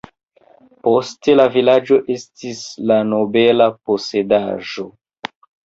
Poste la vilaĝo estis la nobela posedaĵo.